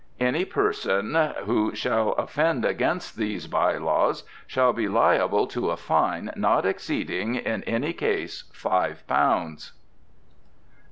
Any person who shall offend against this Bye law shall be liable to a fine not exceeding in any case five pounds."